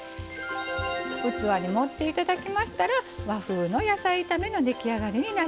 器に盛って頂きましたら和風の野菜炒めの出来上がりになります。